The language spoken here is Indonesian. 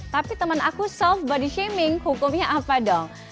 tapi teman aku self body shaming hukumnya apa dong